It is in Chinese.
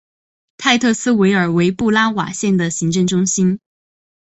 泰特斯维尔为布拉瓦县的行政中心。